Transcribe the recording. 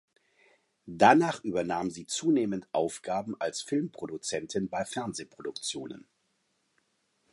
Danach übernahm sie zunehmend Aufgaben als Filmproduzentin bei Fernsehproduktionen.